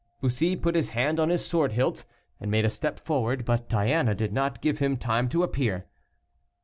Bussy put his hand on his sword hilt, and made a step forward, but Diana did not give him time to appear.